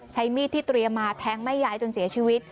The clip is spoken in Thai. ใช้มีดที่เตรียมมาแทงแม่ยายจนเสียชีวิต